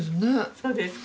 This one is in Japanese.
そうですか？